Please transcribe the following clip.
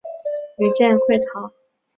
余舰溃逃。